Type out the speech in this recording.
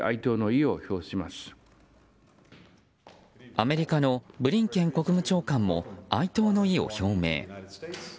アメリカのブリンケン国務長官も哀悼の意を表明。